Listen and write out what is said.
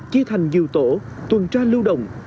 chia thành dưu tổ tuần tra lưu động